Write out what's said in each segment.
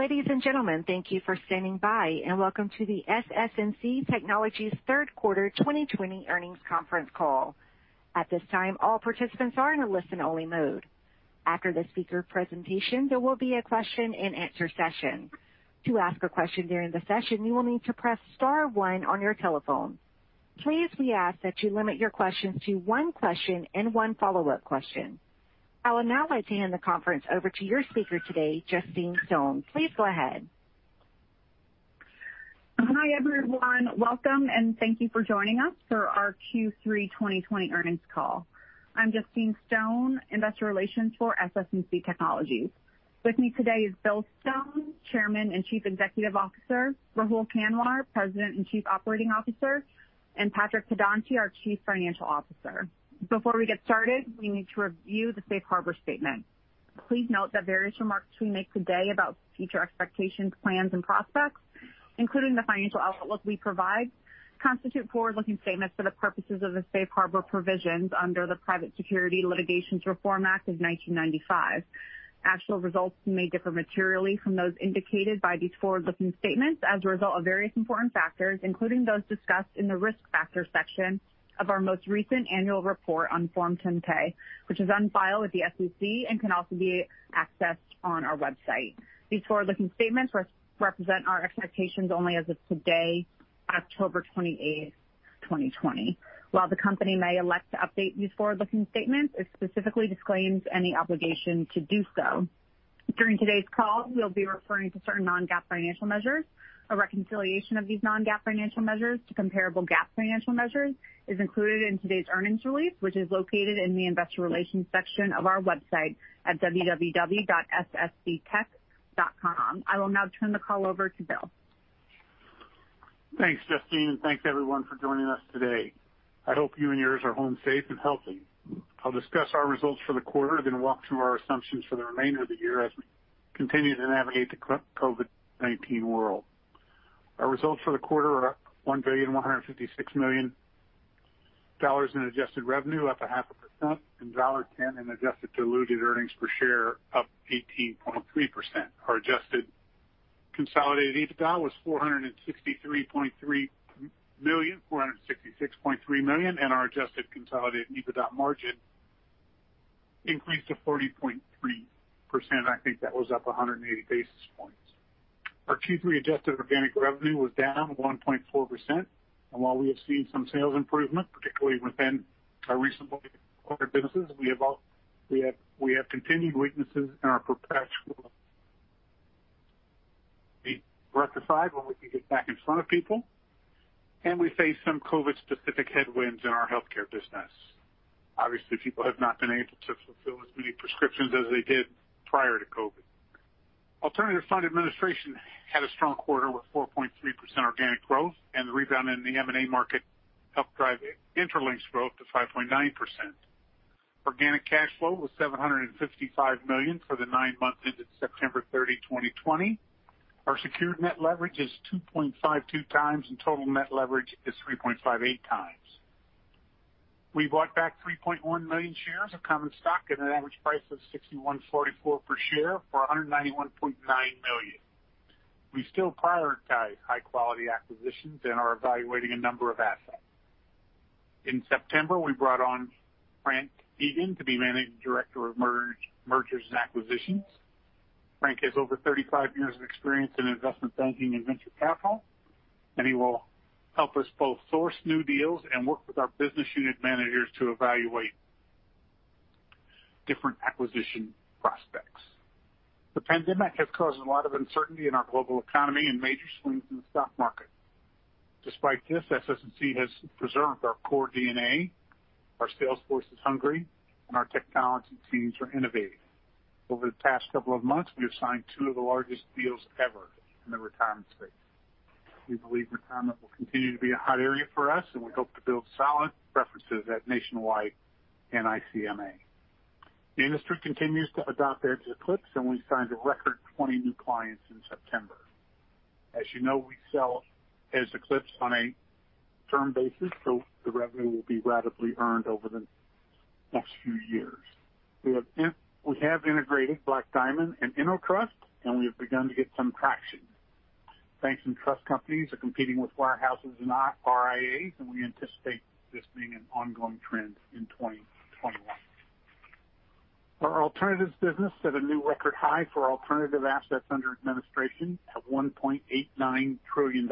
Ladies and gentlemen, thank you for standing by, and welcome to the SS&C Technologies third quarter 2020 earnings conference call. At this time, all participants are in a listen-only mode. After the speaker presentation, there will be a question-and-answer session. To ask a question during the session, you will need to press star one on your telephone. Please, we ask that you limit your questions to one question and one follow-up question. I would now like to hand the conference over to your speaker today, Justine Stone. Please go ahead. Hi, everyone. Welcome, and thank you for joining us for our Q3 2020 earnings call. I'm Justine Stone, investor relations for SS&C Technologies. With me today is Bill Stone, Chairman and Chief Executive Officer, Rahul Kanwar, President and Chief Operating Officer, and Patrick Pedonti, our Chief Financial Officer. Before we get started, we need to review the safe harbor statement. Please note that various remarks we make today about future expectations, plans, and prospects, including the financial outlook we provide, constitute forward-looking statements for the purposes of the safe harbor provisions under the Private Securities Litigation Reform Act of 1995. Actual results may differ materially from those indicated by these forward-looking statements as a result of various important factors, including those discussed in the risk factor section of our most recent annual report on Form 10-K, which is on file with the SEC and can also be accessed on our website. These forward-looking statements represent our expectations only as of today, October 28th, 2020. While the company may elect to update these forward-looking statements, it specifically disclaims any obligation to do so. During today's call, we'll be referring to certain non-GAAP financial measures. A reconciliation of these non-GAAP financial measures to comparable GAAP financial measures is included in today's earnings release, which is located in the Investor Relations section of our website at www.ssctech.com. I will now turn the call over to Bill. Thanks, Justine and thanks everyone for joining us today. I hope you and yours are home safe and healthy. I'll discuss our results for the quarter, then walk through our assumptions for the remainder of the year as we continue to navigate the COVID-19 world. Our results for the quarter are up $1.156 billion in adjusted revenue, up 0.5%, $1.10 in adjusted diluted earnings per share, up 18.3%. Our adjusted consolidated EBITDA was $466.3 million, and our adjusted consolidated EBITDA margin increased to 40.3%. I think that was up 180 basis points. Our Q3 adjusted organic revenue was down 1.4%, and while we have seen some sales improvement, particularly within our recently acquired businesses, we have continued weaknesses in our perpetual when we can get back in front of people, and we face some COVID-specific headwinds in our healthcare business. Obviously, people have not been able to fulfill as many prescriptions as they did prior to COVID. Alternative fund administration had a strong quarter, with 4.3% organic growth, and the rebound in the M&A market helped drive Intralinks growth to 5.9%. Organic cash flow was $755 million for the nine months ended September 30, 2020. Our secured net leverage is 2.52x, and total net leverage is 3.58x. We bought back 3.1 million shares of common stock at an average price of $61.44 per share for $191.9 million. We still prioritize high-quality acquisitions and are evaluating a number of assets. In September, we brought on Frank Egan to be Managing Director of Mergers and Acquisitions. Frank has over 35 years of experience in investment banking and venture capital, and he will help us both source new deals and work with our business unit managers to evaluate different acquisition prospects. The pandemic has caused a lot of uncertainty in our global economy and major swings in the stock market. Despite this, SS&C has preserved our core DNA. Our sales force is hungry, and our technology teams are innovative. Over the past couple of months, we have signed two of the largest deals ever in the retirement space. We believe retirement will continue to be a hot area for us, and we hope to build solid references at Nationwide and ICMA. The industry continues to adopt Eze Eclipse, and we signed a record 20 new clients in September. As you know, we sell Eze Eclipse on a term basis, so the revenue will be ratably earned over the next few years. We have integrated Black Diamond and InnoTrust, and we have begun to get some traction. Banks and trust companies are competing with wirehouses and RIAs, and we anticipate this being an ongoing trend in 2021. Our alternatives business set a new record high for alternative assets under administration at $1.89 trillion,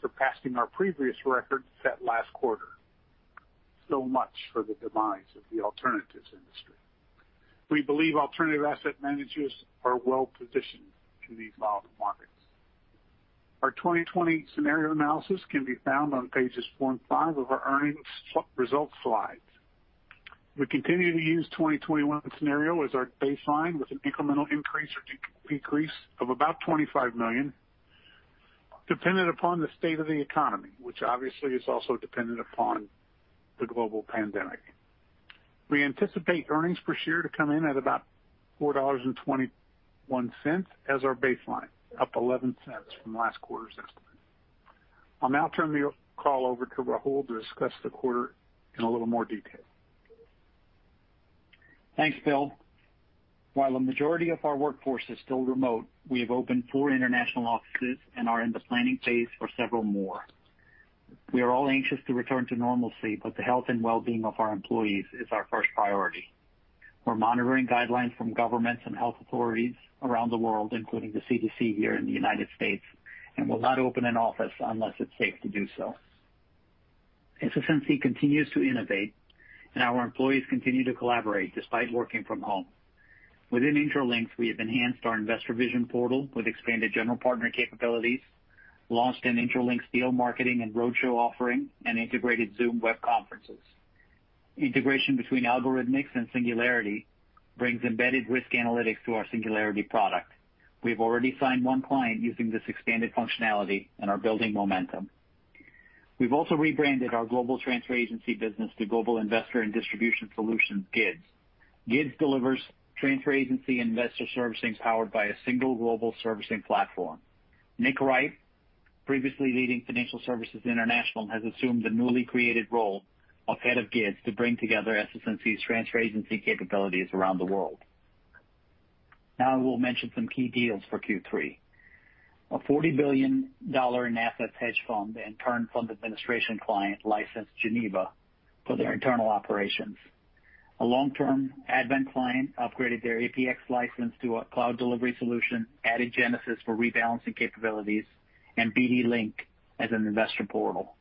surpassing our previous record set last quarter, so much for the demise of the alternatives industry. We believe alternative asset managers are well-positioned in these volatile markets. Our 2020 scenario analysis can be found on pages four and five of our earnings results slides. We continue to use 2021 scenario as our baseline, with an incremental increase or decrease of about $25 million, dependent upon the state of the economy, which obviously is also dependent upon the global pandemic. We anticipate earnings per share to come in at about $4.21 as our baseline, up $0.11 from last quarter's estimate. I'll now turn the call over to Rahul to discuss the quarter in a little more detail. Thanks, Bill. While the majority of our workforce is still remote, we have opened four international offices and are in the planning phase for several more. We are all anxious to return to normalcy, but the health and wellbeing of our employees is our first priority. We're monitoring guidelines from governments and health authorities around the world, including the CDC here in the United States, and will not open an office unless it's safe to do so. SS&C continues to innovate, and our employees continue to collaborate despite working from home. Within Intralinks, we have enhanced our InvestorVision portal with expanded general partner capabilities, launched an Intralinks deal marketing and roadshow offering, and integrated Zoom web conferences. Integration between Algorithmics and Singularity brings embedded risk analytics to our Singularity product. We have already signed one client using this expanded functionality and are building momentum. We've also rebranded our global transfer agency business to Global Investor and Distribution Solutions, GIDS. GIDS delivers transfer agency investor servicing powered by a single global servicing platform. Nick Wright, previously leading Financial Services International, has assumed the newly created role of Head of GIDS to bring together SS&C's transfer agency capabilities around the world. Now, I will mention some key deals for Q3. A $40 billion in assets hedge fund and current fund administration client licensed Geneva for their internal operations. A long-term Advent client upgraded their APX license to a cloud delivery solution, added Genesis for rebalancing capabilities, and BD Link as an investor portal.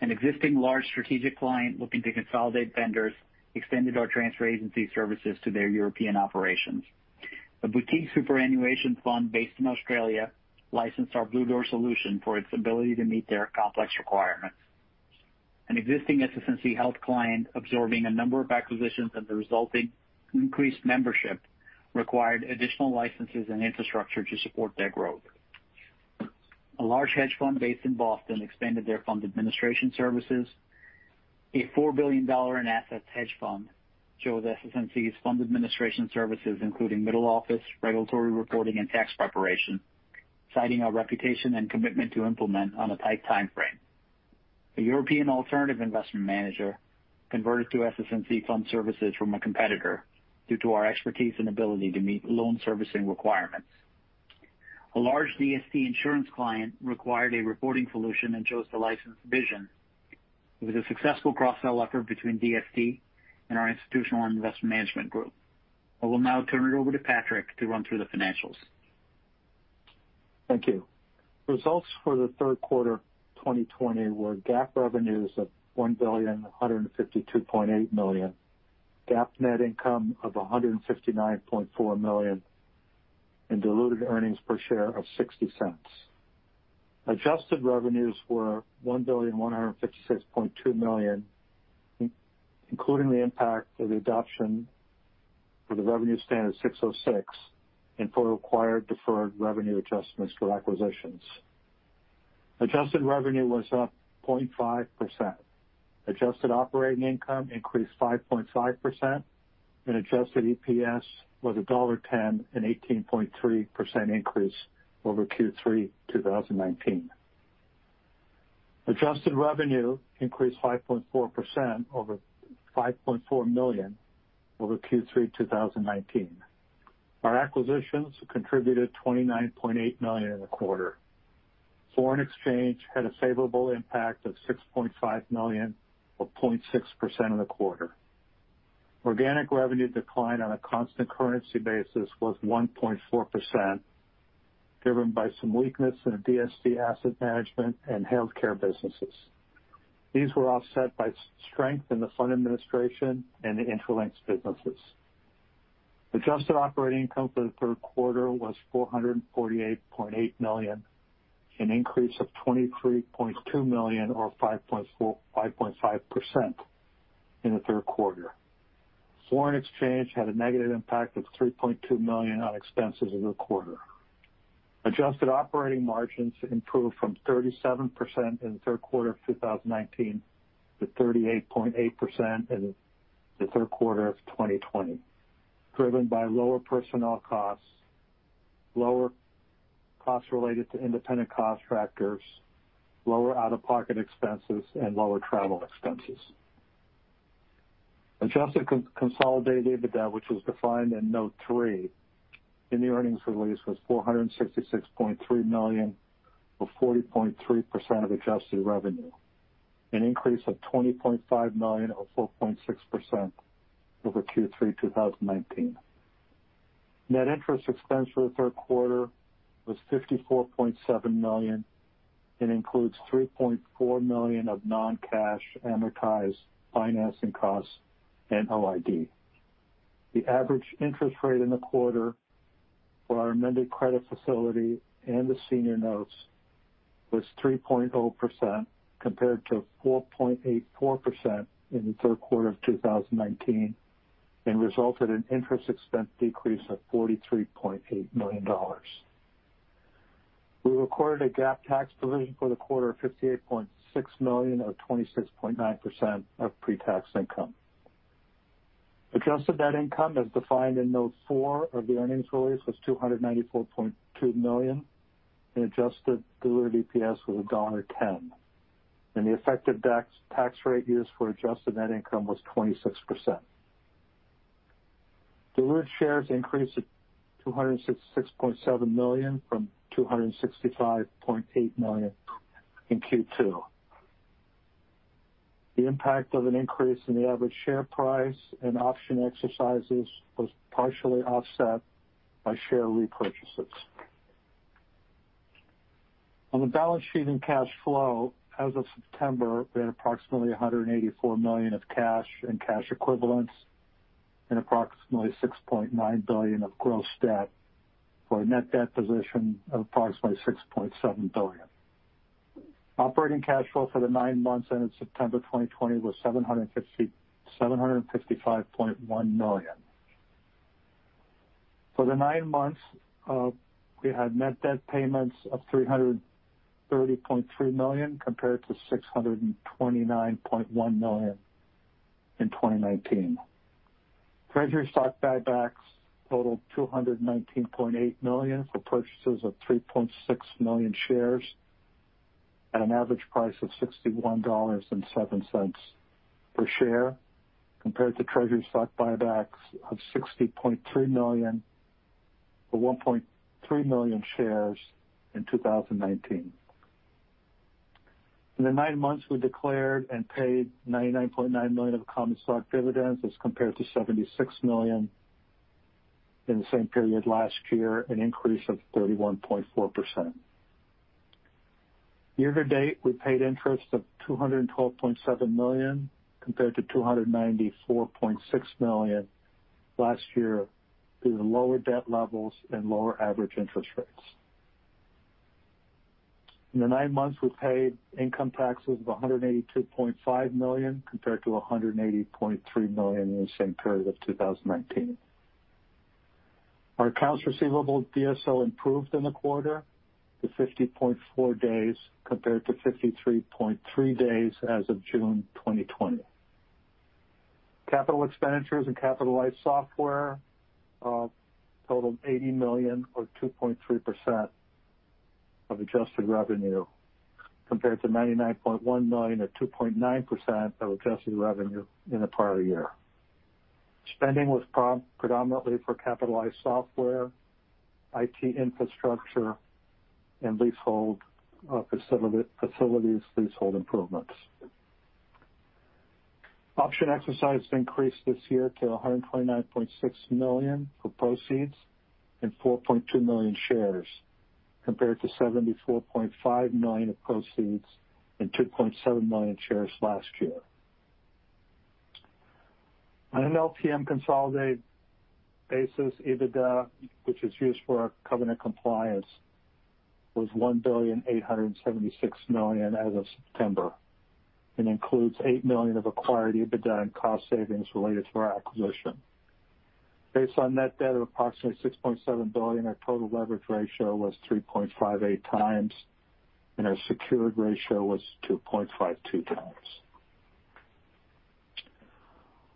An existing large strategic client looking to consolidate vendors extended our transfer agency services to their European operations. A boutique superannuation fund based in Australia licensed our Bluedoor solution for its ability to meet their complex requirements. An existing SS&C Health client absorbing a number of acquisitions and the resulting increased membership required additional licenses and infrastructure to support their growth. A large hedge fund based in Boston expanded their fund administration services. A $4 billion in assets hedge fund chose SS&C's fund administration services, including middle office, regulatory reporting, and tax preparation, citing our reputation and commitment to implement on a tight timeframe. A European alternative investment manager converted to SS&C fund services from a competitor due to our expertise and ability to meet loan servicing requirements. A large DST insurance client required a reporting solution and chose to license Vision. It was a successful cross-sell effort between DST and our institutional investment management group. I will now turn it over to Patrick to run through the financials. Thank you. Results for the third quarter 2020 were GAAP revenues of $1.1528 billion, GAAP net income of $159.4 million, and diluted earnings per share of $0.60. Adjusted revenues were $1.1562 billion, including the impact of the adoption of the Revenue Standard 606 and for required deferred revenue adjustments for acquisitions. Adjusted revenue was up 0.5%. Adjusted operating income increased 5.5%, and adjusted EPS was $1.10, an 18.3% increase over Q3 2019. Adjusted revenue increased $5.4 million over Q3 2019. Our acquisitions contributed $29.8 million in the quarter. Foreign exchange had a favorable impact of $6.5 million, or 0.6% of the quarter. Organic revenue decline on a constant currency basis was 1.4%, driven by some weakness in the DST asset management and healthcare businesses. These were offset by strength in the fund administration and the Intralinks businesses. Adjusted operating income for the third quarter was $448.8 million, an increase of $23.2 million or 5.5% in the third quarter. Foreign exchange had a negative impact of $3.2 million on expenses in the quarter. Adjusted operating margins improved from 37% in the third quarter of 2019 to 38.8% in the third quarter of 2020, driven by lower personnel costs, lower costs related to independent contractors, lower out-of-pocket expenses, and lower travel expenses. Adjusted consolidated EBITDA, which was defined in note three in the earnings release, was $466.3 million, or 40.3% of adjusted revenue, an increase of $20.5 million or 4.6% over Q3 2019. Net interest expense for the third quarter was $54.7 million and includes $3.4 million of non-cash amortized financing costs and OID. The average interest rate in the quarter for our amended credit facility and the senior notes was 3.0%, compared to 4.84% in the third quarter of 2019, and resulted in interest expense decrease of $43.8 million. We recorded a GAAP tax provision for the quarter of $58.6 million, or 26.9% of pre-tax income. Adjusted net income, as defined in note four of the earnings release, was $294.2 million, and adjusted diluted EPS was $1.10. The effective tax rate used for adjusted net income was 26%. Diluted shares increased to 266.7 million from 265.8 million in Q2. The impact of an increase in the average share price and option exercises was partially offset by share repurchases. On the balance sheet and cash flow, as of September, we had approximately $184 million of cash and cash equivalents and approximately $6.9 billion of gross debt for a net debt position of approximately $6.7 billion. Operating cash flow for the nine months ending September 2020 was $755.1 million. For the nine months, we had net debt payments of $330.3 million compared to $629.1 million in 2019. Treasury stock buybacks totaled $219.8 million for purchases of 3.6 million shares at an average price of $61.07 per share compared to treasury stock buybacks of $60.3 million for 1.3 million shares in 2019. In the nine months, we declared and paid $99.9 million of common stock dividends as compared to $76 million in the same period last year, an increase of 31.4%. Year-to-date, we paid interest of $212.7 million compared to $294.6 million last year due to lower debt levels and lower average interest rates. In the nine months, we paid income taxes of $182.5 million compared to $180.3 million in the same period of 2019. Our accounts receivable DSO improved in the quarter to 50.4 days compared to 53.3 days as of June 2020. Capital expenditures and capitalized software totaled $80 million, or 2.3%, of adjusted revenue compared to $99.1 million or 2.9% of adjusted revenue in the prior year. Spending was predominantly for capitalized software, IT infrastructure, and facilities leasehold improvements. Option exercise increased this year to $129.6 million for proceeds and 4.2 million shares compared to $74.5 million of proceeds and 2.7 million shares last year. On an LTM consolidated basis, EBITDA, which is used for our covenant compliance, was $1.876 billion as of September, and includes $8 million of acquired EBITDA and cost savings related to our acquisition. Based on net debt of approximately $6.7 billion, our total leverage ratio was 3.58x, and our secured ratio was 2.52x.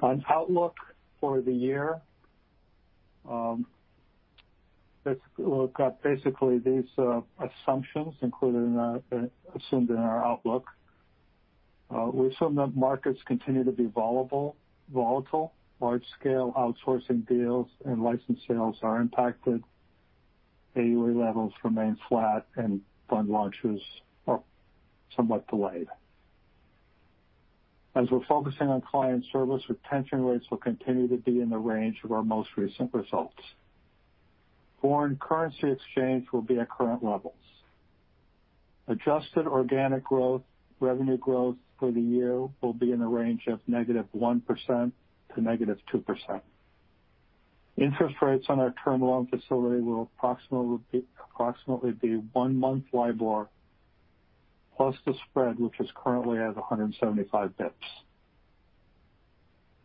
On outlook for the year, we've got basically these assumptions assumed in our outlook. We assume that markets continue to be volatile, large scale outsourcing deals and license sales are impacted, AUA levels remain flat, and fund launches are somewhat delayed. As we're focusing on client service, retention rates will continue to be in the range of our most recent results. Foreign currency exchange will be at current levels. Adjusted organic growth, revenue growth for the year will be in the range of -1% to -2%. Interest rates on our term loan facility will approximately be one-month LIBOR plus the spread, which is currently at 175 basis points.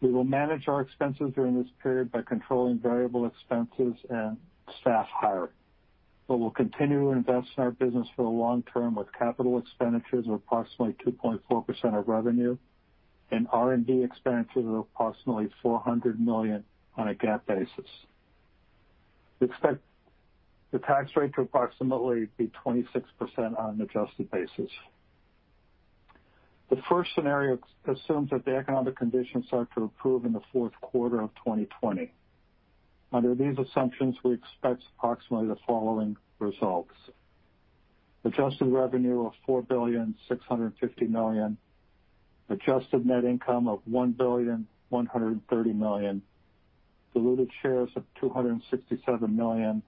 We'll manage our expenses during this period by controlling variable expenses and staff hiring. We'll continue to invest in our business for the long term with capital expenditures of approximately 2.4% of revenue and R&D expenses of approximately $400 million on a GAAP basis. We expect the tax rate to approximately be 26% on an adjusted basis. The first scenario assumes that the economic conditions start to improve in the fourth quarter of 2020. Under these assumptions, we expect approximately the following results: adjusted revenue of $4.65 billion, adjusted net income of $1.13 billion, diluted shares of 267 million,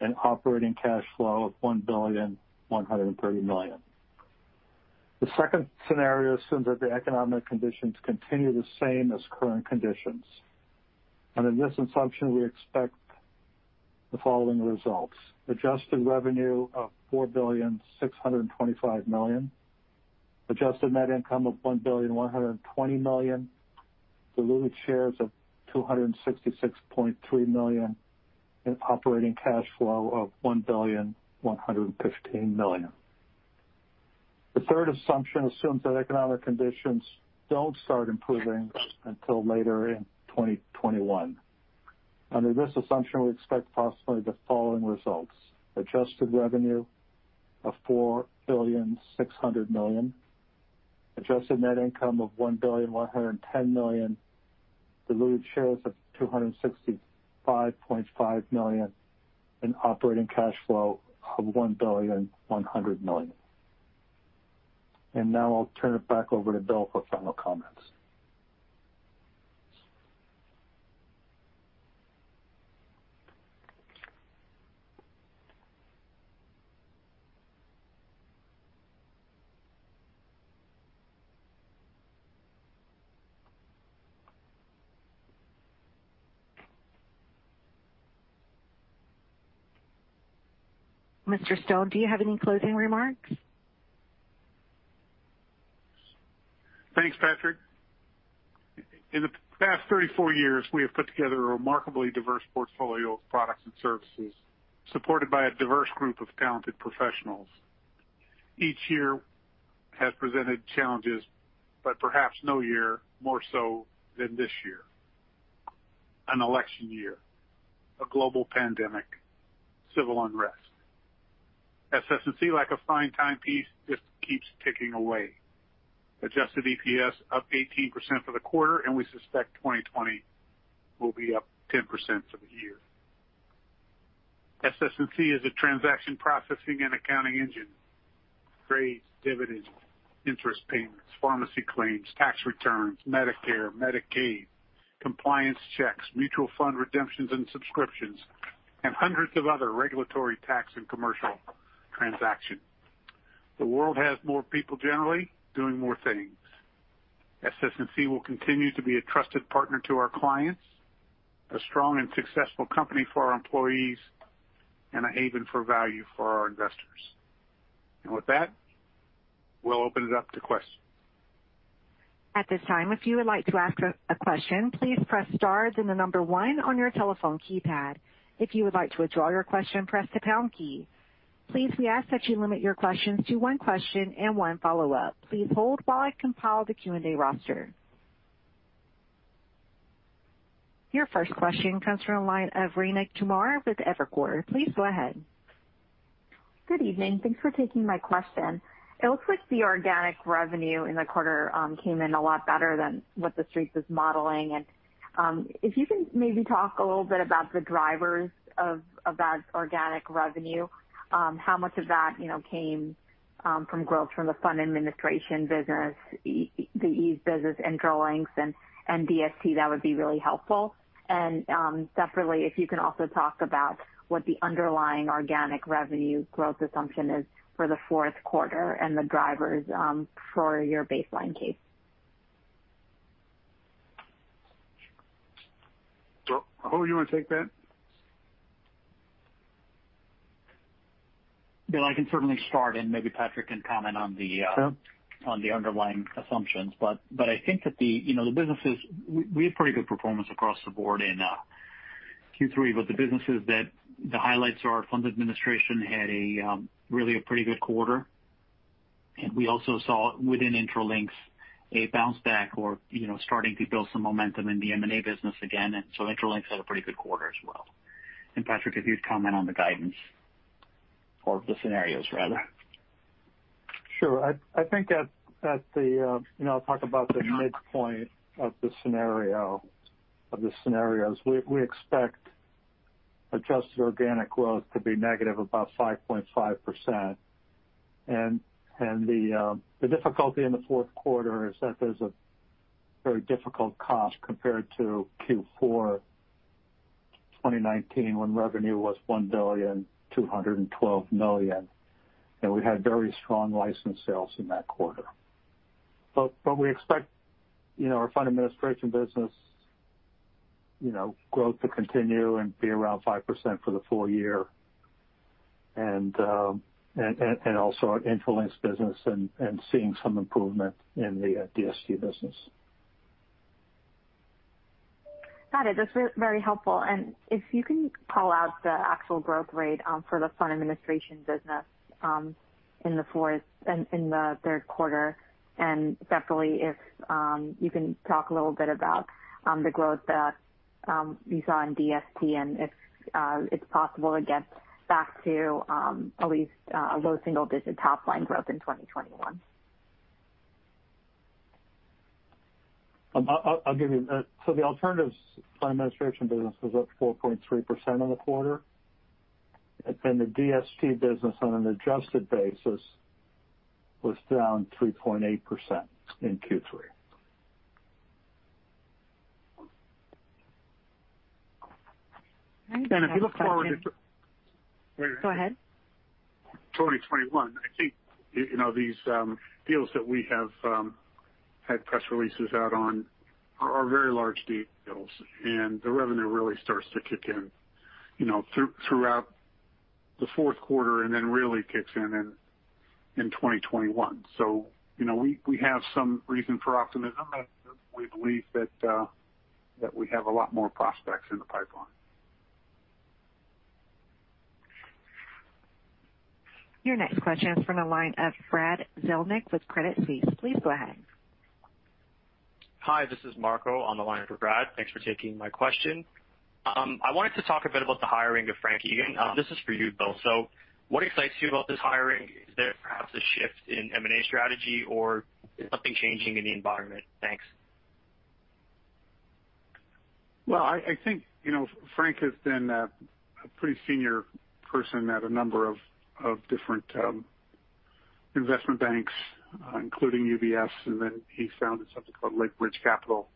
and operating cash flow of $1.13 billion. The second scenario assumes that the economic conditions continue the same as current conditions. Under this assumption, we expect the following results: adjusted revenue of $4.625 billion, adjusted net income of $1.12 billion, diluted shares of 266.3 million, and operating cash flow of $1.115 billion. The third assumption assumes that economic conditions don't start improving until later in 2021. Under this assumption, we expect possibly the following results: adjusted revenue of $4.6 billion, adjusted net income of $1.11 billion, diluted shares of 265.5 million, and operating cash flow of $1.1 billion. Now, I'll turn it back over to Bill for final comments. Mr. Stone, do you have any closing remarks? Thanks, Patrick. In the past 34 years, we have put together a remarkably diverse portfolio of products and services supported by a diverse group of talented professionals. Each year has presented challenges, but perhaps no year more so than this year, an election year, a global pandemic, civil unrest. SS&C, like a fine timepiece, just keeps ticking away. Adjusted EPS up 18% for the quarter, and we suspect 2020 will be up 10% for the year. SS&C is a transaction processing and accounting engine, trades, dividends, interest payments, pharmacy claims, tax returns, Medicare, Medicaid, compliance checks, mutual fund redemptions and subscriptions, and hundreds of other regulatory tax and commercial transactions. The world has more people generally doing more things. SS&C will continue to be a trusted partner to our clients, a strong and successful company for our employees, and a haven for value for our investors. With that, we'll open it up to questions. At this time, if you would like to ask a question, please press star, then the number one on your telephone keypad. If you would like to withdraw your question, press the pound key. Please, we ask that you limit your questions to one question and one follow-up. Please hold while I compile the Q&A roster. Your first question comes from the line of Rayna Kumar with Evercore. Please go ahead. Good evening. Thanks for taking my question. It looks like the organic revenue in the quarter came in a lot better than what the Street was modeling. If you can maybe talk a little bit about the drivers of that organic revenue, how much of that came from growth from the fund administration business, the Eze business, Intralinks, and DST, that would be really helpful. Separately, if you can also talk about what the underlying organic revenue growth assumption is for the fourth quarter and the drivers for your baseline case. Rahul, you want to take that? Bill, I can certainly start, and maybe Patrick can comment. Sure. On the underlying assumptions. I think that the businesses, we had pretty good performance across the board in Q3, but the businesses that the highlights are funds administration had really a pretty good quarter, and we also saw within Intralinks a bounce back or starting to build some momentum in the M&A business again. Intralinks had a pretty good quarter as well. Patrick, if you'd comment on the guidance or the scenarios rather. Sure. I think I'll talk about the midpoint of the scenarios. We expect adjusted organic growth to be negative, about 5.5%. The difficulty in the fourth quarter is that there's a very difficult cost compared to Q4 2019 when revenue was $1.212 billion, and we had very strong license sales in that quarter. But we expect our fund administration business growth to continue and be around 5% for the full year, and also our Intralinks business and seeing some improvement in the DST business. Got it. That's very helpful. If you can call out the actual growth rate for the fund administration business in the third quarter, and separately, if you can talk a little bit about the growth that you saw in DST and if it's possible to get back to at least a low single-digit top-line growth in 2021. The alternatives fund administration business was up 4.3% on the quarter and the DST business, on an adjusted basis, was down 3.8% in Q3. All right. If you look forward to. Go ahead. 2021, I think these deals that we have had press releases out on are very large deals, and the revenue really starts to kick in throughout the fourth quarter and then really kicks in in 2021. So, we have some reason for optimism, and we believe that we have a lot more prospects in the pipeline. Your next question is from the line of Brad Zelnick with Credit Suisse. Please go ahead. Hi, this is Marco on the line for Brad. Thanks for taking my question. I wanted to talk a bit about the hiring of Frank Egan. This is for you, Bill, so what excites you about this hiring? Is there perhaps a shift in M&A strategy, or is something changing in the environment? Thanks. I think Frank has been a pretty senior person at a number of different investment banks, including UBS, then he founded something called Lake Bridge Capital,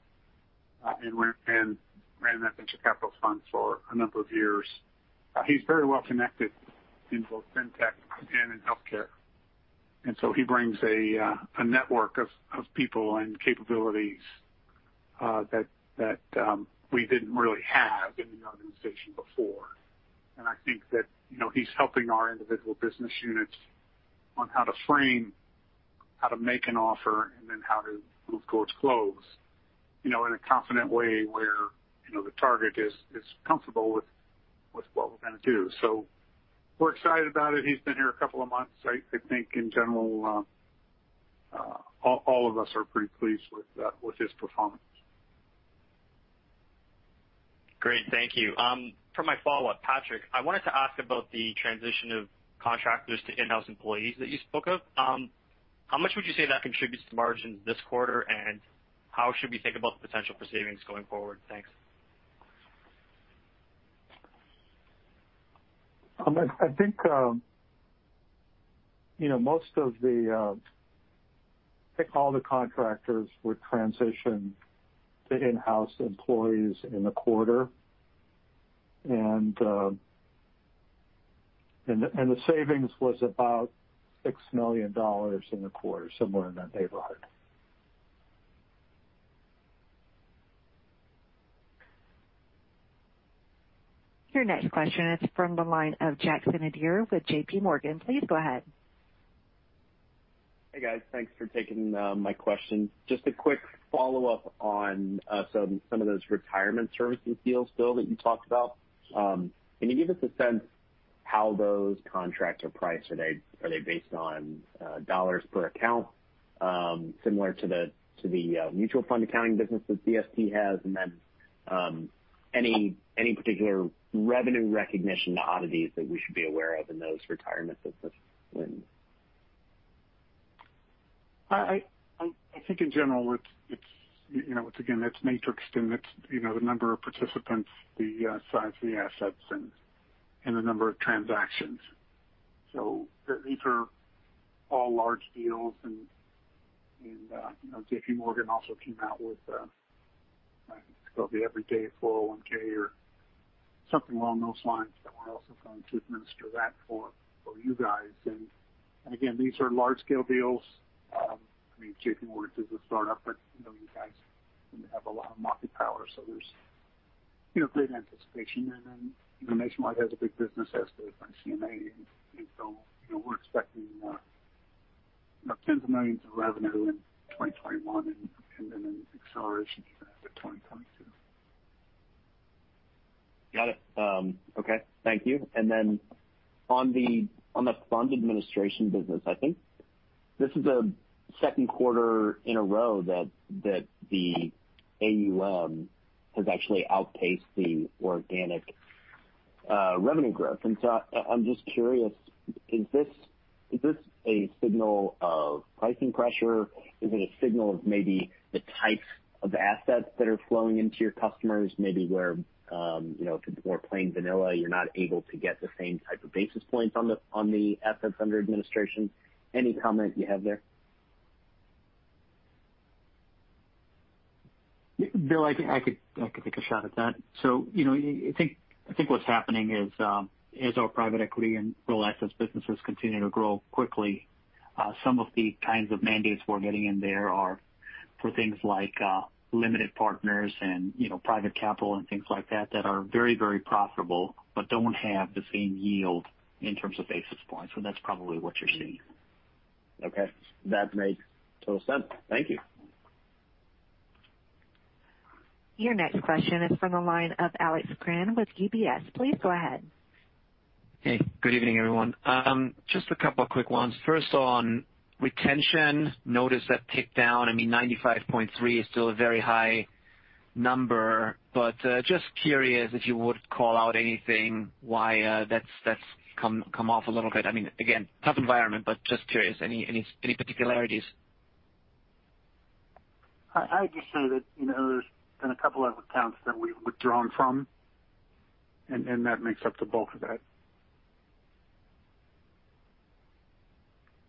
and ran that venture capital fund for a number of years. He's very well-connected in both fintech and in healthcare, and so he brings a network of people and capabilities that we didn't really have in the organization before. I think that he's helping our individual business units on how to frame, how to make an offer, then how to move towards close in a confident way where the target is comfortable with what we're going to do. We're excited about it. He's been here a couple of months. I think, in general, all of us are pretty pleased with his performance. Great. Thank you. For my follow-up, Patrick, I wanted to ask about the transition of contractors to in-house employees that you spoke of. How much would you say that contributes to margins this quarter, and how should we think about the potential for savings going forward? Thanks. I think all the contractors were transitioned to in-house employees in the quarter, and the savings was about $6 million in the quarter, somewhere in that neighborhood. Your next question is from the line of Jackson Ader with JPMorgan. Please go ahead. Hey, guys. Thanks for taking my question. Just a quick follow-up on some of those retirement services deals, Bill, that you talked about. Can you give us a sense how those contracts are priced? Are they based on dollars per account, similar to the mutual fund accounting business that DST has? Then, any particular revenue recognition oddities that we should be aware of in those retirement services wins? I think in general, again, it's matrixed and it's the number of participants, the size of the assets, and the number of transactions. These are all large deals. JPMorgan also came out with, it's called the Everyday 401(k) or something along those lines, someone else is going to administer that for you guys. Again, these are large-scale deals. JPMorgan is a startup, but you guys have a lot of market power, so there's great anticipation. Then, Nationwide has a big business, as does ICMA, so we're expecting tens of millions of revenue in 2021 and then an acceleration for 2022. Got it. Okay. Thank you. Then, on the fund administration business, I think this is the second quarter in a row that the AUM has actually outpaced the organic revenue growth. I'm just curious, is this a signal of pricing pressure? Is it a signal of maybe the types of assets that are flowing into your customers, maybe where if it's more plain vanilla, you're not able to get the same type of basis points on the assets under administration? Any comment you have there? Bill, I could take a shot at that. I think what's happening is our private equity and real assets businesses continue to grow quickly. Some of the kinds of mandates we're getting in there are for things like limited partners and private capital and things like that that are very, very profitable, but don't have the same yield in terms of basis points. That's probably what you're seeing. Okay. That makes total sense. Thank you. Your next question is from the line of Alex Kramm with UBS. Please go ahead. Hey, good evening, everyone. Just a couple of quick ones. First, on retention, notice that ticked down. I mean, 95.3% is still a very high number, but just curious if you would call out anything why that's come off a little bit. I mean, again, tough environment, but just curious, any particularities? I'd just say that there's been a couple of accounts that we've withdrawn from, and that makes up the bulk of that.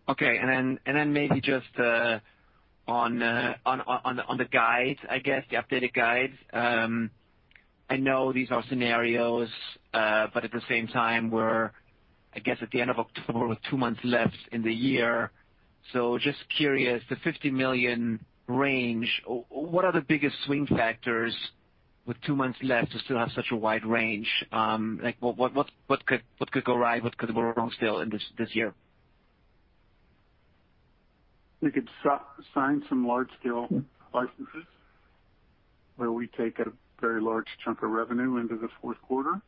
Okay. Then, maybe just on the guide, I guess, the updated guide. I know these are scenarios, but at the same time we're, I guess, at the end of October with two months left in the year, so just curious, the $50 million range, what are the biggest swing factors with two months left to still have such a wide range? What could go right, what could go wrong still in this year? We could sign some large-scale licenses where we take a very large chunk of revenue into the fourth quarter,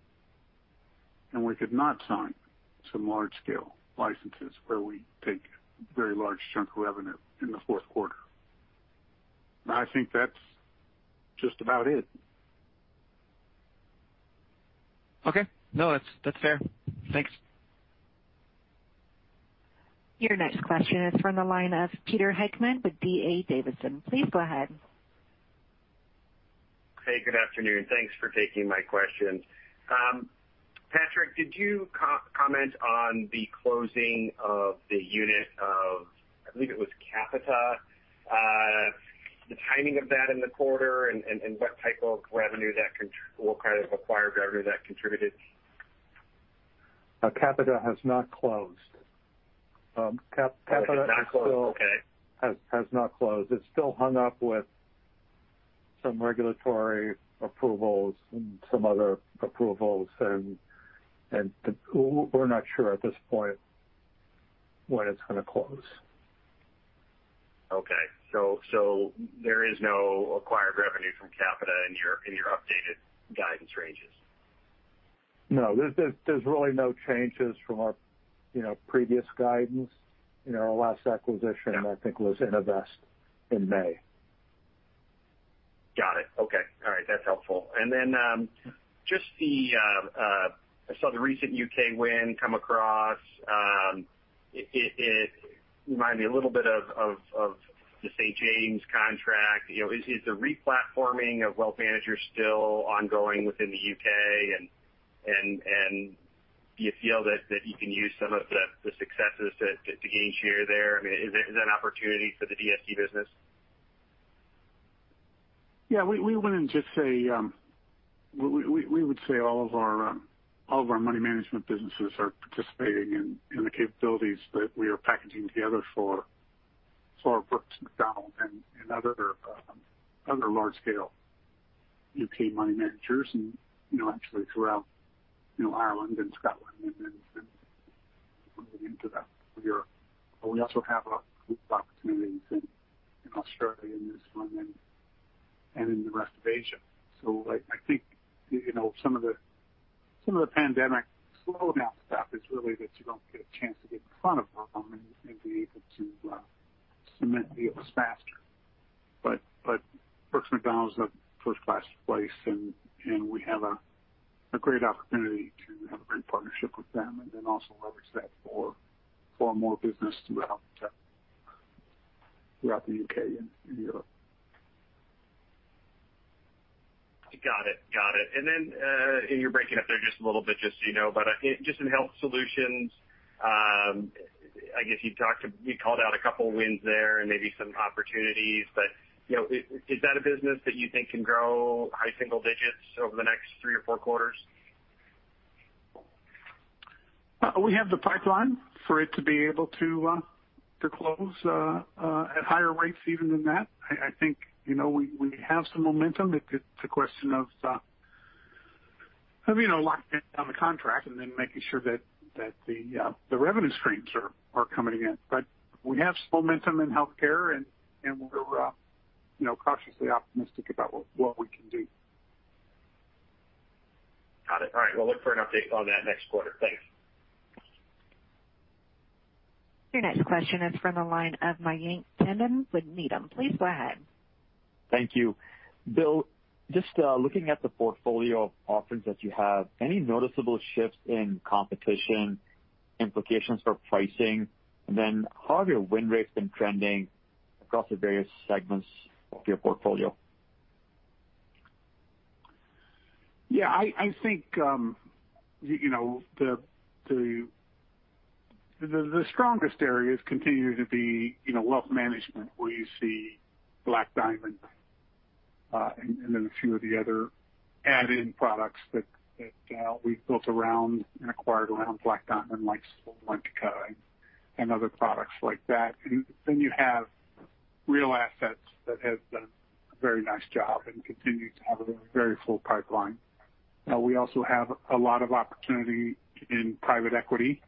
and we could not sign some large-scale licenses where we take a very large chunk of revenue in the fourth quarter. I think that's just about it. Okay. No, that's fair. Thanks. Your next question is from the line of Peter Heckmann with D.A. Davidson. Please go ahead. Hey, good afternoon. Thanks for taking my question. Patrick, did you comment on the closing of the unit of, I believe it was Capita, the timing of that in the quarter, and what type of acquired revenue that contributed? Capita has not closed. It has not closed? Okay. Capita has not closed. It's still hung up with some regulatory approvals and some other approvals, and we're not sure at this point when it's going to close. Okay. So, there is no acquired revenue from Capita in your updated guidance ranges? No. There's really no changes from our previous guidance. Our last acquisition, I think, was Innovest in May. Got it. Okay. All right. That's helpful. Then, just, I saw the recent U.K. win come across. It reminded me a little bit of the St. James contract. Is the re-platforming of wealth managers still ongoing within the U.K., and do you feel that you can use some of the successes to gain share there? I mean, is it an opportunity for the DST business? Yeah. We would say all of our money management businesses are participating in the capabilities that we are packaging together for Brooks Macdonald and other large-scale U.K. money managers, and actually throughout Ireland and Scotland, and then moving into the rest of Europe. We also have a group of opportunities in Australia in this one and in the rest of Asia. I think some of the pandemic slowdown stuff is really that you don't get a chance to get in front of them and be able to cement deals faster. But Brooks Macdonald's a first-class place, and we have a great opportunity to have a great partnership with them and then also leverage that for more business throughout the U.K. and Europe. Got it. Got it. You're breaking up there just a little bit, just so you know. But just in health solutions, I guess you called out a couple of wins there and maybe some opportunities, but is that a business that you think can grow high single digits over the next three or four quarters? We have the pipeline for it to be able to close at higher rates even than that. I think we have some momentum. It's a question of locking down the contract and then making sure that the revenue streams are coming in. We have some momentum in healthcare, and we're cautiously optimistic about what we can do. Got it. All right. We'll look for an update on that next quarter. Thanks. Your next question is from the line of Mayank Tandon with Needham. Please go ahead. Thank you. Bill, just looking at the portfolio of offerings that you have, any noticeable shifts in competition implications for pricing? Then, how have your win rates been trending across the various segments of your portfolio? Yeah, I think the strongest area is continuing to be wealth management, where you see Black Diamond, and then a few of the other Advent products that we've built around and acquired around Black Diamond, like and other products like that. Then you have real assets that have done a very nice job and continue to have a very full pipeline. We also have a lot of opportunity in private equity.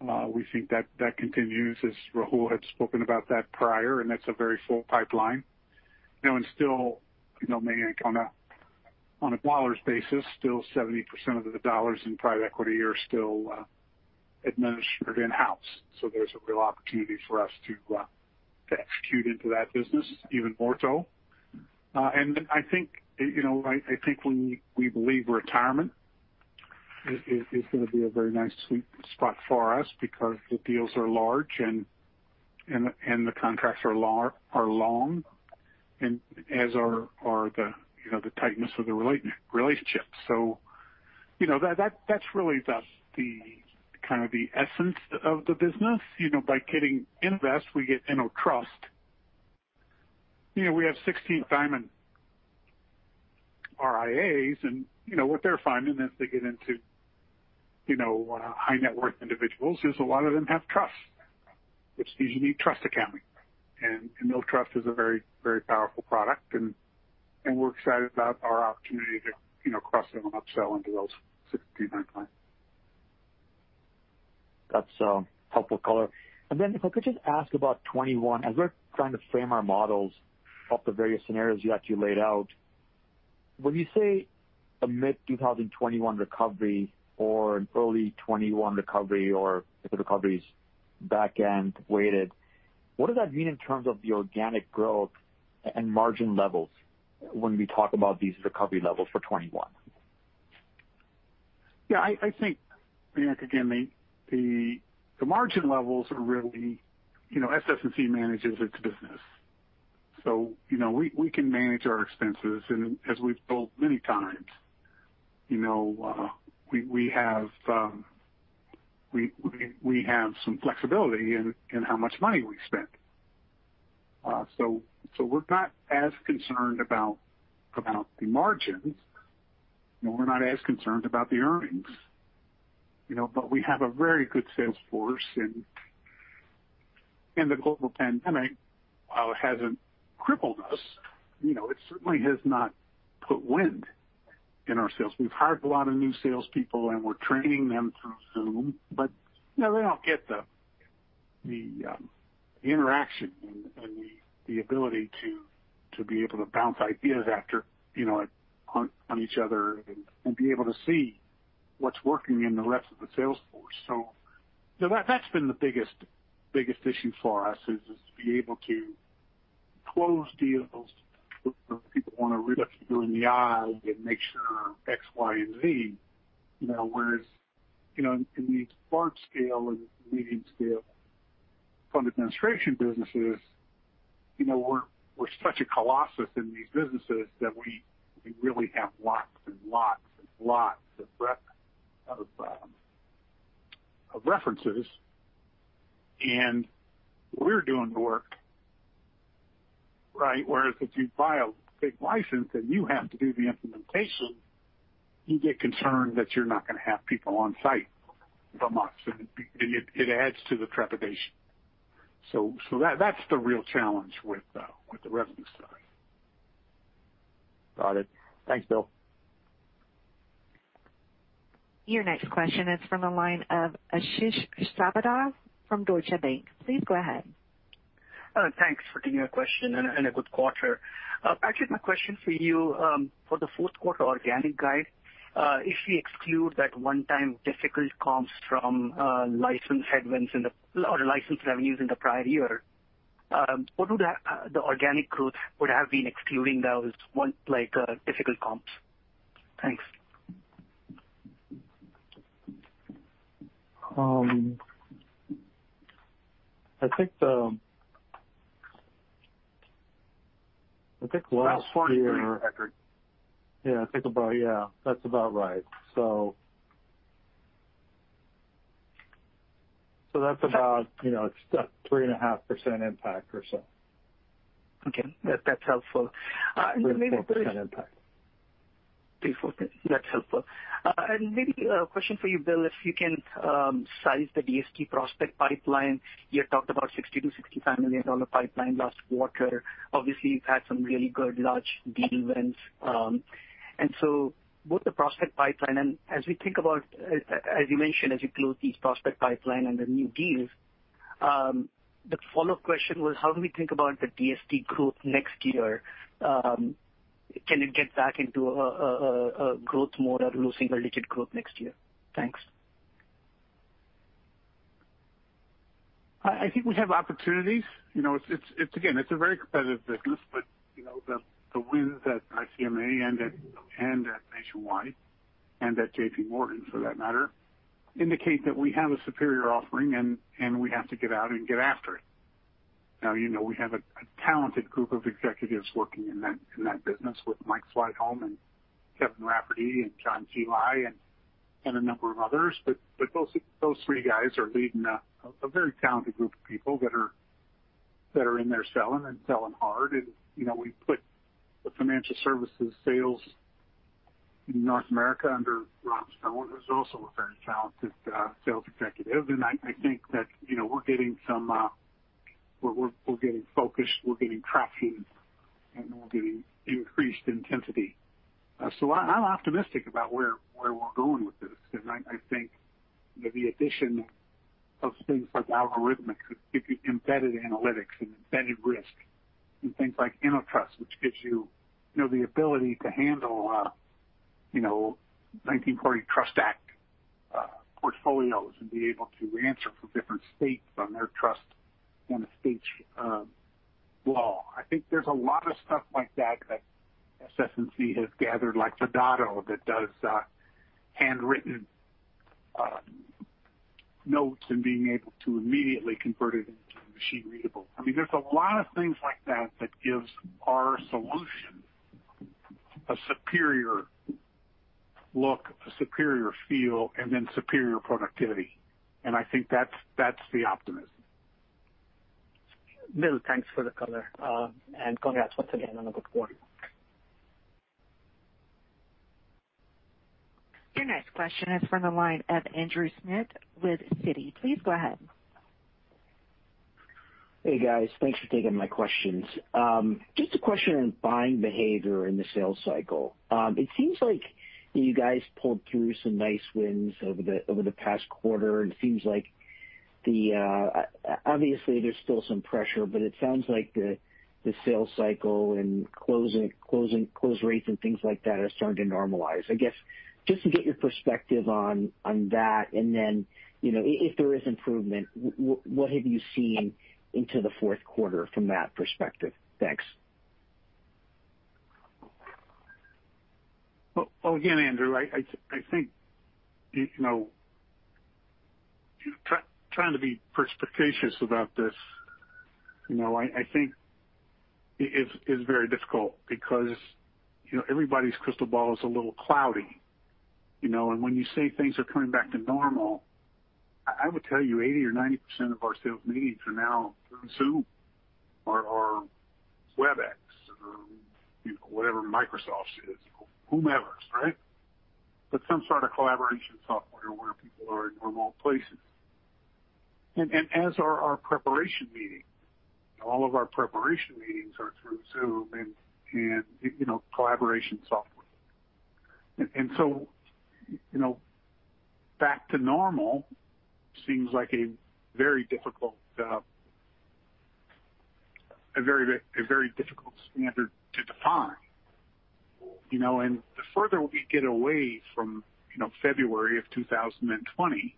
We think that that continues, as Rahul had spoken about that prior, and that's a very full pipeline. Still, Mayank, on a dollar basis, still 70% of the dollars in private equity are still administered in-house. So, there's a real opportunity for us to execute into that business even more so. I think we believe retirement is going to be a very nice sweet spot for us because the deals are large and the contracts are long, as are the tightness of the relationships. That's really the kind of the essence of the business. By getting Innovest, we get InnoTrust. We have 16 Diamond RIAs, and what they're finding as they get into high-net-worth individuals is a lot of them have trusts, which you need trust accounting. InnoTrust is a very powerful product, and we're excited about our opportunity to cross-sell and upsell into those 16 clients. That's helpful color. If I could just ask about 2021, as we're trying to frame our models off the various scenarios you actually laid out, when you say a mid-2021 recovery or an early 2021 recovery, or if the recovery's back-end-weighted, what does that mean in terms of the organic growth and margin levels when we talk about these recovery levels for 2021? Yeah, I think, again, the margin levels are really, you know, SS&C manages its business. We can manage our expenses, and as we've told many times, we have some flexibility in how much money we spend. So, we're not as concerned about the margins, and we're not as concerned about the earnings. We have a very good sales force, and the global pandemic, while it hasn't crippled us, it certainly has not put wind in our sails. We've hired a lot of new salespeople, and we're training them through Zoom, but they don't get the interaction and the ability to be able to bounce ideas off each other and be able to see what's working in the rest of the sales force. That's been the biggest issue for us, is to be able to close deals where people want to really look you in the eye and make sure X, Y, and Z. Whereas, in these large scale and medium scale fund administration businesses, we're such a colossus in these businesses that we really have lots and lots and lots of references and we're doing the work, right? Whereas if you buy a big license and you have to do the implementation, you get concerned that you're not going to have people on site for months, and it adds to the trepidation. That's the real challenge with the revenue side. Got it. Thanks, Bill. Your next question is from the line of Ashish Sabadra from Deutsche Bank. Please go ahead. Thanks for taking my question, and a good quarter. Actually, my question for you, for the fourth quarter organic guide, if we exclude that one-time difficult comps from license headwinds or license revenues in the prior year, what would the organic growth would have been excluding those one, like, difficult comps? Thanks. I think last year. Yeah, Patrick. Yeah, that's about right. That's about a 3.5% impact or so. Okay. That's helpful. 3%-4% impact. 3%, 4%, that's helpful. Maybe a question for you, Bill, if you can size the DST prospect pipeline. You had talked about $60 million-$65 million pipeline last quarter. Obviously, you've had some really good large deal wins. So, both the prospect pipeline and as you think about, as you mentioned, as you close these prospect pipelines and the new deals, the follow-up question was how do we think about the DST growth next year? Can it get back into a growth mode or low single-digit growth next year? Thanks. I think we have opportunities. Again, it's a very competitive business, but the wins at ICMA and at Nationwide, and at JPMorgan for that matter, indicate that we have a superior offering and we have to get out and get after it. Now, we have a talented group of executives working in that business with Mike Sleightholme, and Kevin Rafferty, and John Geli, and a number of others, but those three guys are leading a very talented group of people that are in there selling and selling hard. We put the financial services sales in North America under Rob Stone, who's also a very talented sales executive, and I think that we're getting focused, we're getting traction, and we're getting increased intensity. I'm optimistic about where we're going with this because I think the addition of things like Algorithmics, embedded analytics, and embedded risk, and things like InnoTrust, which gives you the ability to handle 1940 Trust Act portfolios and be able to answer for different states on their trust and estate law. I think there's a lot of stuff like that SS&C has gathered, like Vidado, that does handwritten notes and being able to immediately convert it into machine readable. There's a lot of things like that that gives our solution a superior look, a superior feel, and then superior productivity. I think that's the optimism. Bill, thanks for the color. Congrats once again on a good quarter. Your next question is from the line of Andrew Schmidt with Citi. Please go ahead. Hey, guys. Thanks for taking my questions. Just a question on buying behavior in the sales cycle. It seems like you guys pulled through some nice wins over the past quarter, and it seems like, obviously, there's still some pressure, but it sounds like the sales cycle and close rates and things like that are starting to normalize. I guess, just to get your perspective on that, and then, if there is improvement, what have you seen into the fourth quarter from that perspective? Thanks. Well, again, Andrew, I think, trying to be perspicacious about this, I think it is very difficult because everybody's crystal ball is a little cloudy. When you say things are coming back to normal, I would tell you 80% or 90% of our sales meetings are now through Zoom or Webex or whatever Microsoft's is, whomever, right? Some sort of collaboration software where people are in remote places. And as are our preparation meetings. All of our preparation meetings are through Zoom and collaboration software. And so, back to normal seems like a very difficult standard to define. The further we get away from February of 2020,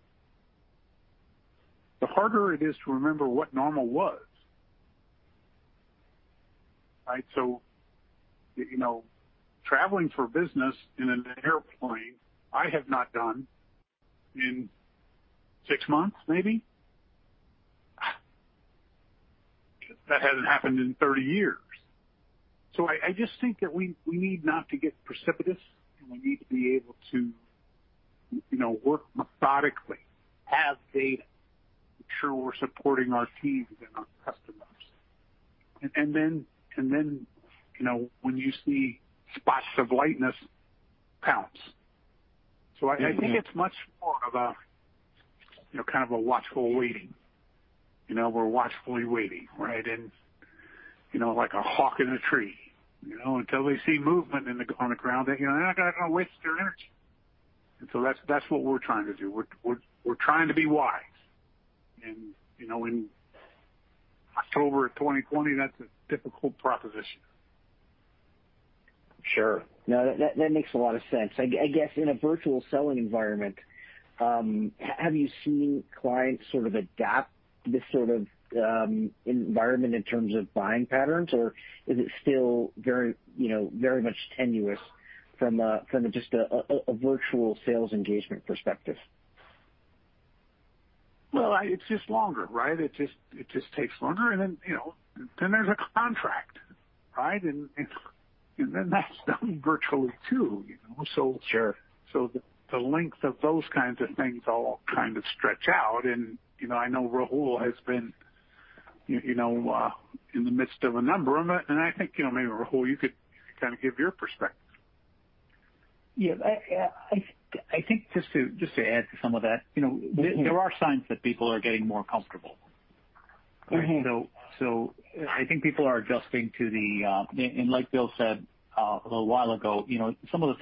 the harder it is to remember what normal was, right? Traveling for business in an airplane, I have not done in six months, maybe. That hasn't happened in 30 years. So, I just think that we need not to get precipitous, and we need to be able to work methodically, have data, make sure we're supporting our teams and our customers. Then, when you see spots of lightness, pounce. I think it's much more of a kind of watchful waiting. We're watchfully waiting, right? Like a hawk in a tree. Until they see movement on the ground, they're not going to waste their energy. That's what we're trying to do. We're trying to be wise. In October of 2020, that's a difficult proposition. Sure. That makes a lot of sense. I guess in a virtual selling environment, have you seen clients sort of adapt this sort of environment in terms of buying patterns, or is it still very much tenuous from just a virtual sales engagement perspective? Well, it's just longer, right? It just takes longer, and then there's a contract, right? And that's done virtually, too. Sure. The length of those kinds of things all kind of stretch out. I know Rahul has been in the midst of a number of them, and I think, maybe Rahul, you could kind of give your perspective. Yeah. I think just to add to some of that. There are signs that people are getting more comfortable. I think people are adjusting to the, like Bill said a little while ago, some of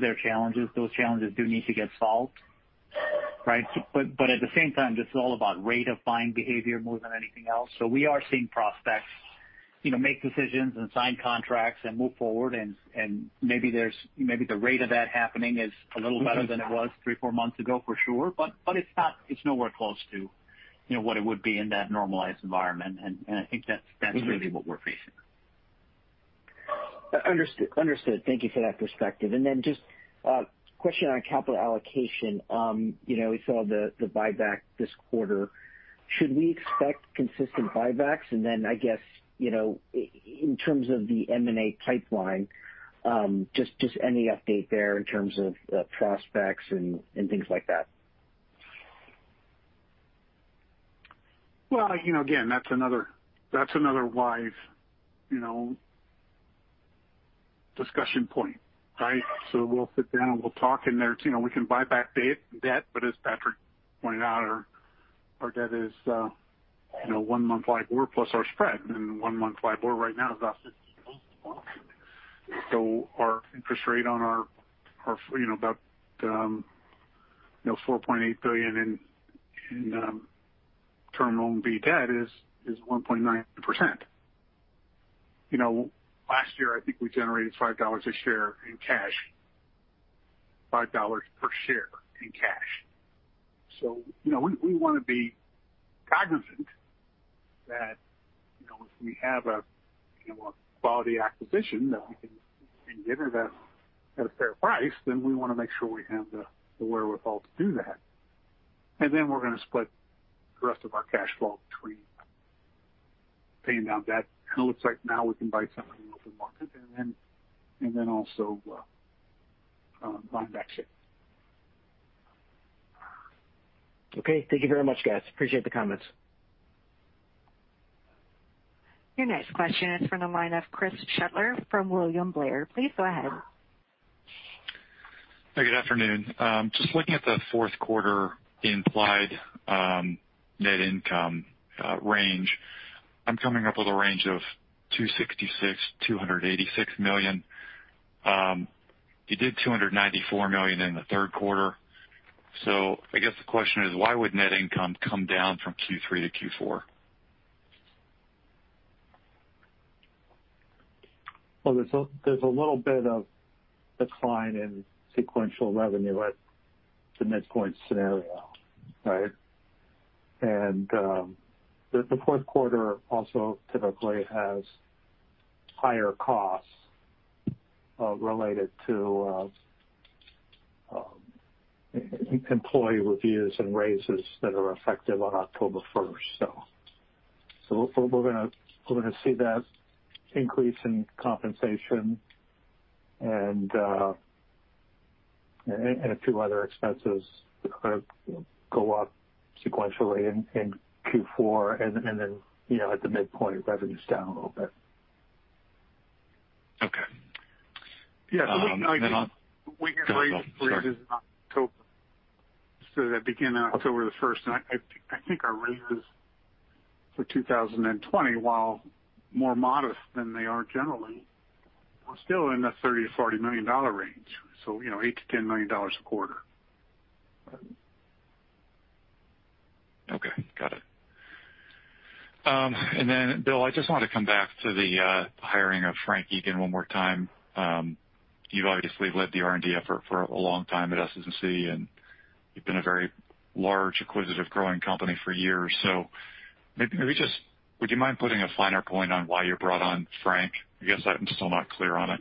their challenges, those challenges do need to get solved, right? At the same time, this is all about rate of buying behavior more than anything else. We are seeing prospects make decisions and sign contracts and move forward, and maybe the rate of that happening is a little better than it was three, four months ago, for sure, but it's nowhere close to what it would be in that normalized environment. I think that's really what we're facing. Understood. Thank you for that perspective. Just a question on capital allocation. We saw the buyback this quarter. Should we expect consistent buybacks? Then, I guess, in terms of the M&A pipeline, just any update there in terms of prospects and things like that? Well, again, that's another live discussion point, right? We'll sit down and we'll talk, and we can buy back debt, but as Patrick pointed out, our debt is one-month LIBOR plus our spread. One-month LIBOR right now is about. Our interest rate on our about $4.8 billion in Term Loan B debt is 1.9%. Last year, I think we generated $5 a share in cash. $5 per share in cash. We want to be cognizant that if we have a quality acquisition that we can get at a fair price, then we want to make sure we have the wherewithal to do that. Then, we're going to split the rest of our cash flow between paying down debt. It looks like now, we can buy some in the open market and then also buy back shares. Okay. Thank you very much, guys. Appreciate the comments. Your next question is from the line of Chris Shutler from William Blair. Please go ahead. Hey, good afternoon. Just looking at the fourth quarter implied net income range. I'm coming up with a range of $266 million-$286 million. You did $294 million in the third quarter. I guess the question is why would net income come down from Q3 to Q4? Well, there's a little bit of decline in sequential revenue at the midpoint scenario, right? The fourth quarter also typically has higher costs related to employee reviews and raises that are effective on October 1st. We're going to see that increase in compensation and a few other expenses kind of go up sequentially in Q4. Then, at the midpoint, revenue's down a little bit. Okay. Yeah. That begin on October 1st. I think our raises for 2020, while more modest than they are generally, are still in the $30 million-$40 million range. So, $8 million-$10 million a quarter. Okay. Got it. Bill, I just want to come back to the hiring of Frank Egan one more time. You've obviously led the R&D effort for a long time at SS&C, and you've been a very large, acquisitive, growing company for years. Maybe just, would you mind putting a finer point on why you brought on Frank? I guess I'm still not clear on it.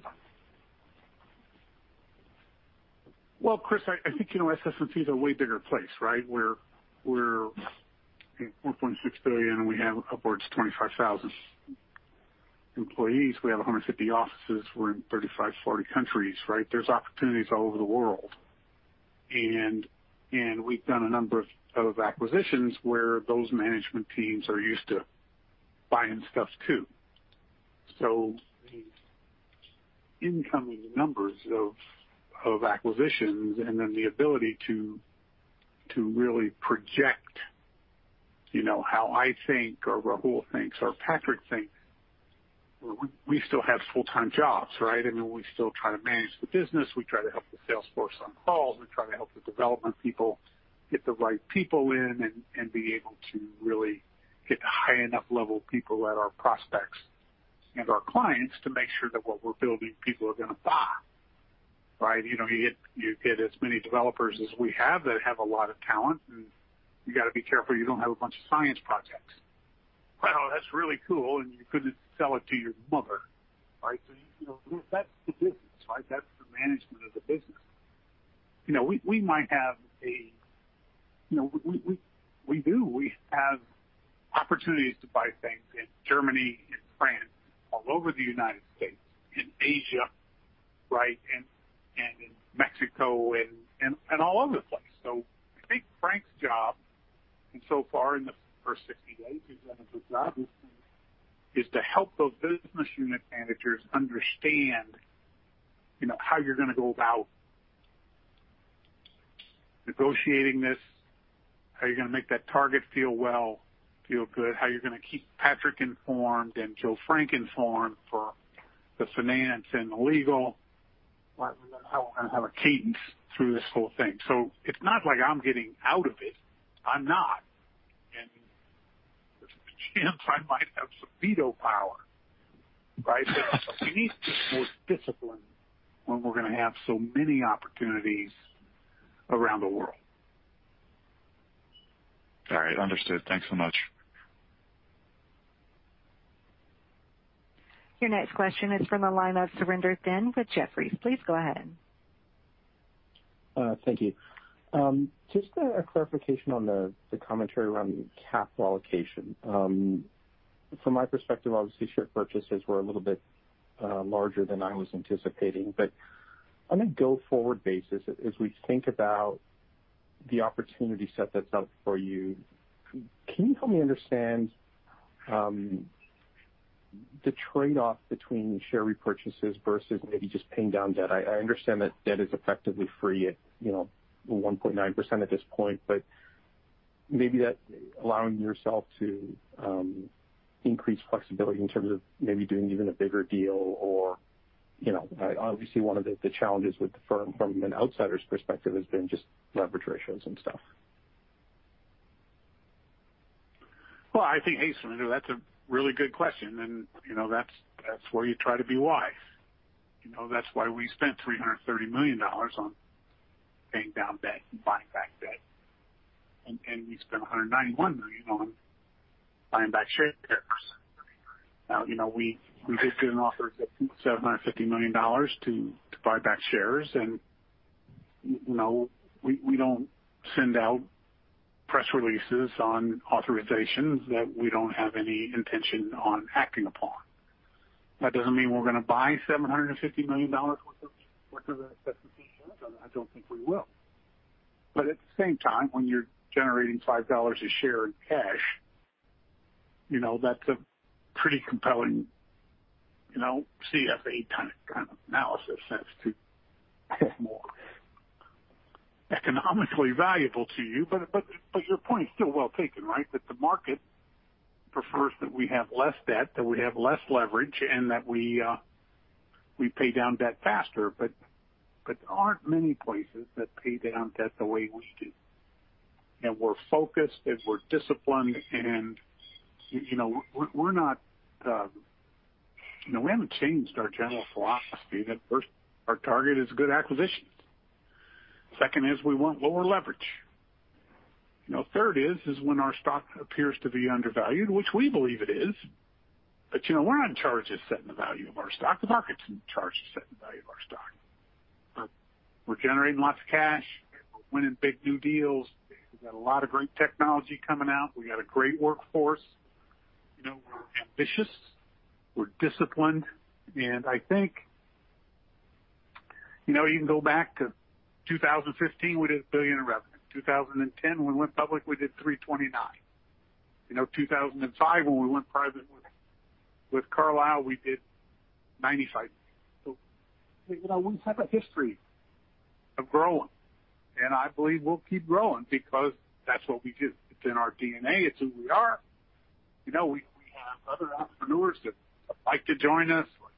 Chris, I think SS&C is a way bigger place, right? We're $4.6 billion, and we have upwards 25,000 employees. We have 150 offices. We're in 35, 40 countries, right? There's opportunities all over the world. We've done a number of acquisitions where those management teams are used to buying stuff, too. The incoming numbers of acquisitions and then the ability to really project how I think, or Rahul thinks, or Patrick thinks. We still have full-time jobs, right? I mean, we still try to manage the business, we try to help the salesforce on calls, we try to help the development people get the right people in and be able to really get high enough level people at our prospects and our clients to make sure that what we're building, people are going to buy, right? You get as many developers as we have that have a lot of talent, and you got to be careful you don't have a bunch of science projects. Wow, that's really cool, and you couldn't sell it to your mother, right? That's the business, right? That's the management of the business. We might have a, we do, we have opportunities to buy things in Germany, in France, all over the United States, in Asia, right, in Mexico and all over the place. So, I think Frank's job, and so far in the first 60 days, he's done a good job, is to help those business unit managers understand how you're going to go about negotiating this, how you're going to make that target feel well, feel good, how you're going to keep Patrick informed and Joe Frank informed for the finance and the legal, how we're going to have a cadence through this whole thing. It's not like I'm getting out of it, I'm not. There's a chance I might have some veto power, right? We need to be more disciplined when we're going to have so many opportunities around the world. All right. Understood. Thanks so much. Your next question is from the line of Surinder Thind with Jefferies. Please go ahead. Thank you. Just a clarification on the commentary around capital allocation. From my perspective, obviously, share purchases were a little bit larger than I was anticipating, but on a go-forward basis, as we think about the opportunity set that's out for you, can you help me understand the trade-off between share repurchases versus maybe just paying down debt? I understand that debt is effectively free at 1.9% at this point, but maybe that allowing yourself to increase flexibility in terms of maybe doing even a bigger deal or obviously, one of the challenges with the firm from an outsider's perspective has been just leverage ratios and stuff. Well, I think, hey, Surinder, that's a really good question, and that's where you try to be wise. That's why we spent $330 million on paying down debt and buying back debt. And we spent $191 million on buying back shares. Now, we just did an authorization, $750 million to buy back shares. We don't send out press releases on authorizations that we don't have any intention on acting upon. That doesn't mean we're going to buy $750 million worth of assets, I don't think we will. At the same time, when you're generating $5 a share in cash, that's a pretty compelling CFA kind of analysis as to what's more economically valuable to you. Your point is still well-taken, right? That the market prefers that we have less debt, that we have less leverage, and that we pay down debt faster. There aren't many places that pay down debt the way we do. We're focused and we're disciplined. We haven't changed our general philosophy that first, our target is good acquisitions. Second is we want lower leverage. Third is when our stock appears to be undervalued, which we believe it is, but we're not in charge of setting the value of our stock, the market's in charge of setting the value of our stock. We're generating lots of cash. We're winning big new deals. We've got a lot of great technology coming out. We got a great workforce. We're ambitious, we're disciplined, and I think you can go back to 2015, we did $1 billion in revenue. 2010, when we went public, we did $329 million. 2005, when we went private with Carlyle, we did $95 million. We have a history of growing, and I believe we'll keep growing because that's what we do. It's in our DNA. It's who we are. We have other entrepreneurs that like to join us, like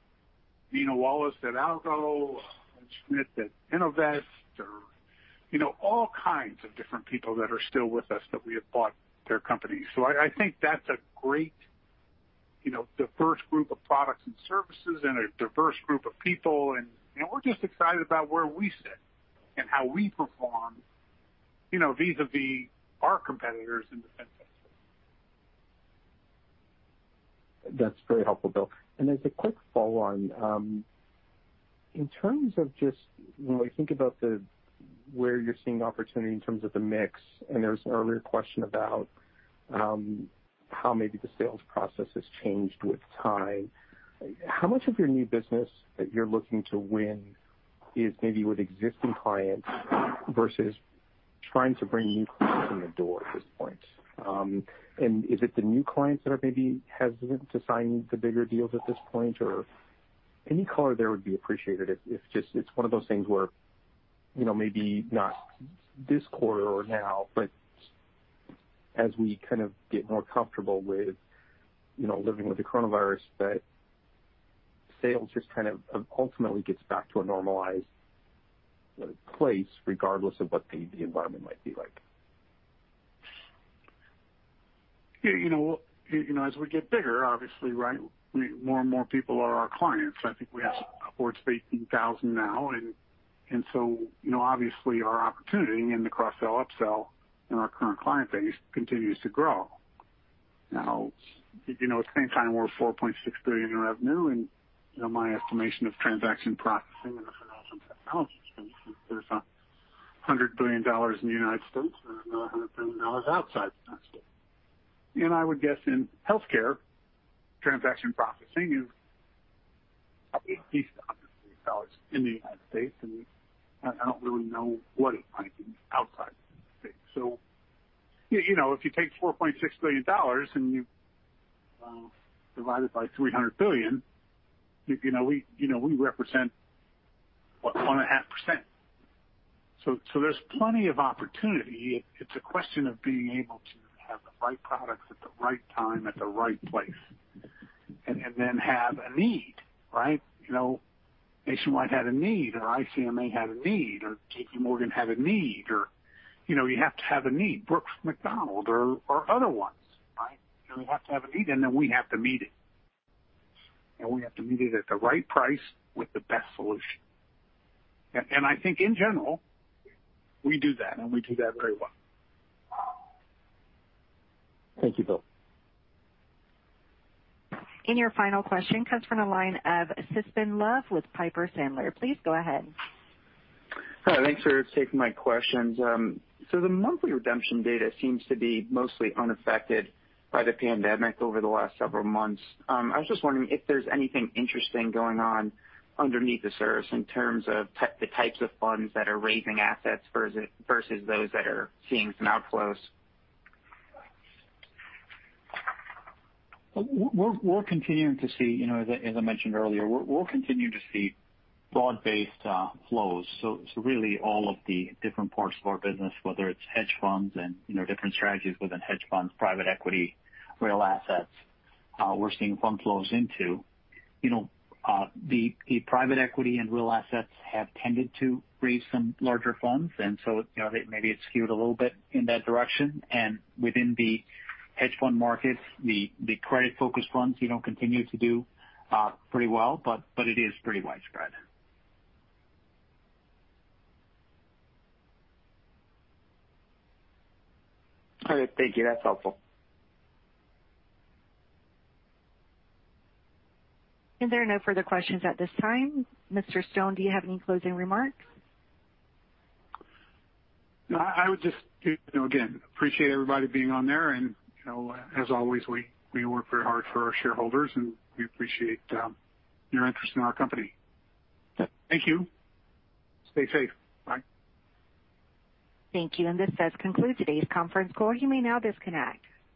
Mina Wallace at Algo, Glenn Schmidt at Innovest, all kinds of different people that are still with us that we have bought their companies. I think that's a great diverse group of products and services and a diverse group of people, and we're just excited about where we sit and how we perform vis-a-vis our competitors in the fintech space. That's very helpful, Bill. As a quick follow-on, in terms of just when we think about where you're seeing opportunity in terms of the mix, and there was an earlier question about how maybe the sales process has changed with time, how much of your new business that you're looking to win is maybe with existing clients versus trying to bring new clients in the door at this point? Is it the new clients that are maybe hesitant to sign the bigger deals at this point, or any color there would be appreciated? If it's one of those things where maybe not this quarter or now, but as we kind of get more comfortable with living with the coronavirus, that sales just kind of ultimately gets back to a normalized place regardless of what the environment might be like. As we get bigger, obviously, more and more people are our clients. I think we have upwards of 18,000 now, and so, obviously our opportunity in the cross-sell, up-sell in our current client base continues to grow. Now, at the same time, we're at $4.6 billion in revenue, and my estimation of transaction processing and the financial technology space is there's $100 billion in the United States and another $100 billion outside the United States. I would guess, in healthcare, transaction processing is at least $100 billion in the United States, and I don't really know what it might be outside the United States. If you take $4.6 billion and you divide it by $300 billion, we represent 1.5%, so there's plenty of opportunity. It's a question of being able to have the right products at the right time, at the right place, and then have a need, right? Nationwide had a need, or ICMA had a need, or JPMorgan had a need, or you have to have a need. Brooks Macdonald or other ones, right? You have to have a need, and then we have to meet it, and we have to meet it at the right price with the best solution. I think in general, we do that, and we do that very well. Thank you, Bill. Your final question comes from the line of Crispin Love with Piper Sandler. Please go ahead. Hi, thanks for taking my questions. The monthly redemption data seems to be mostly unaffected by the pandemic over the last several months. I was just wondering if there's anything interesting going on underneath the surface in terms of the types of funds that are raising assets versus those that are seeing some outflows. As I mentioned earlier, we'll continue to see broad-based flows, so really, all of the different parts of our business, whether it's hedge funds and different strategies within hedge funds, private equity, real assets, we're seeing fund flows into. You know, the private equity and real assets have tended to raise some larger funds, and so, maybe, it's skewed a little bit in that direction. And within the hedge fund markets, the credit-focused funds continue to do pretty well, but it is pretty widespread. All right. Thank you. That's helpful. There are no further questions at this time. Mr. Stone, do you have any closing remarks? No, I would just, again, appreciate everybody being on there. As always, we work very hard for our shareholders, and we appreciate your interest in our company. Thank you. Stay safe. Bye. Thank you. This does conclude today's conference call. You may now disconnect.